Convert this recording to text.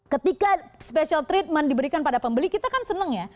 ketika special treatment diberikan pada pembeli kita kan seneng ya